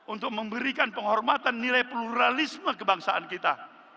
untuk memberikan penghormatan nilai pluralisme kebangsaan kita